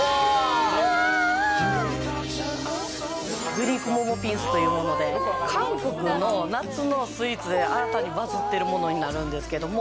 グリークモモピンスというもので、韓国の夏のスイーツで、新たにバズってるものになるんですけど。